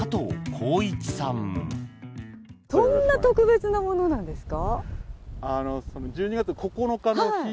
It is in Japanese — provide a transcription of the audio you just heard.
そんな特別なものなんですか？